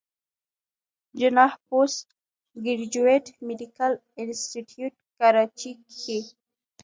جناح پوسټ ګريجويټ ميډيکل انسټيتيوټ کراچۍ کښې